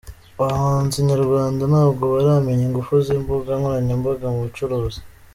Abahanzi nyarwanda ntabwo baramenya ingufu z’imbuga nkoranyambaga mu bucuruzi?.